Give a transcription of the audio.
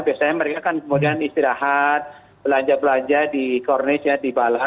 biasanya mereka kan kemudian istirahat belanja belanja di kornest ya di bala